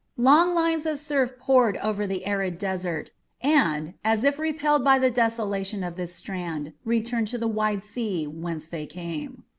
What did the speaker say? Long lines of surf poured over the arid desert, and, as if repelled by the desolation of this strand, returned to the wide sea whence they came.